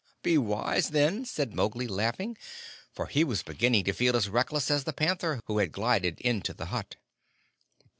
"Be wise, then," said Mowgli, laughing; for he was beginning to feel as reckless as the panther, who had glided into the hut.